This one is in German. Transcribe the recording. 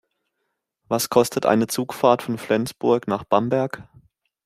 Was kostet eine Zugfahrt von Flensburg nach Bamberg?